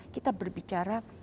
kita berbicara dengan mereka